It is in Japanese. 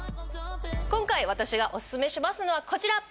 今回私がお薦めしますのはこちら。